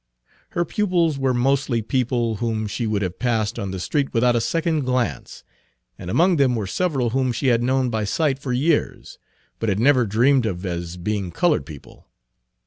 Her pupils were mostly people whom she would have passed on the street without a second glance, and among them were several whom she had known by sight for years, but had never dreamed of as being colored people.